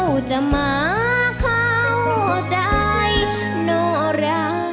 จะมาเข้าใจโนรา